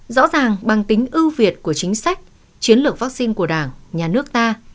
rõ ràng bằng tính ưu việt của chính sách chiến lược vaccine của đảng nhà nước ta